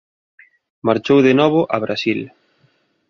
Marchou de novo a Brasil.